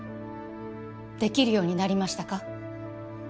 できるようになりましたか？